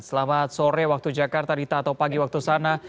selamat sore waktu jakarta dita atau pagi waktu sana